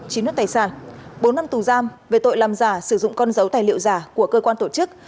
chiếm đất tài sản bốn năm tù giam về tội làm giả sử dụng con dấu tài liệu giả của cơ quan tổ chức